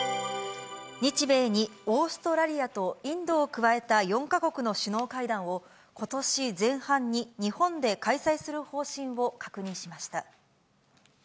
日米にオーストラリアとインドを加えた４か国の首脳会談を、ことし前半に日本で開催する方針を確認しました。